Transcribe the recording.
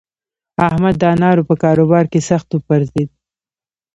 احمد د انارو په کاروبار کې سخت وپرځېد.